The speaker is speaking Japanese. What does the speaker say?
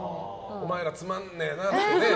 お前ら、つまんねえなみたいな。